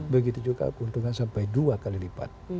begitu juga keuntungan sampai dua kali lipat